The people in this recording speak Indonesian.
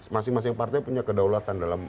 masing masing partai punya kedaulatan dalam